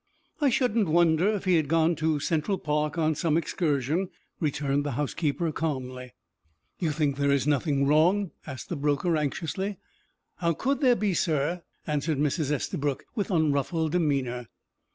"I shouldn't wonder if he had gone to Central Park on some excursion," returned the housekeeper calmly. "You think there is nothing wrong?" asked the broker, anxiously. "How could there be here, sir?" answered Mrs. Estabrook, with unruffled demeanor.